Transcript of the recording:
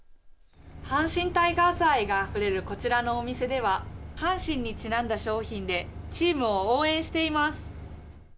阪神タイガース愛があふれるこちらのお店では阪神にちなんだ商品でチームを応援しています。